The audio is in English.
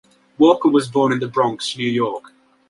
Walker was born in The Bronx, New York.